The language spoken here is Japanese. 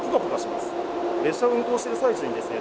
列車を運行してる最中にですね